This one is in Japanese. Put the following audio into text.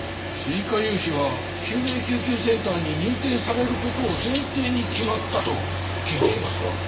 追加融資は救命救急センターに認定されることを前提に決まったと聞いていますが。